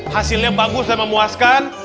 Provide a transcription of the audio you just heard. hasilnya bagus dan memuaskan